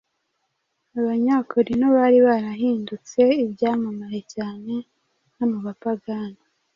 Abanyakorinto bari barahindutse ibyamamare cyane no mu bapagani